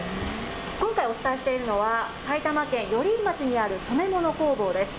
今回、お伝えしているのは、埼玉県寄居町にある染め物工房です。